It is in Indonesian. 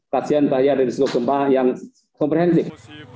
kasihan bahaya dari gempa yang komprehensif